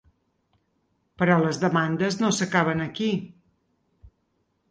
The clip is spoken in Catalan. Però les demandes no s’acaben aquí.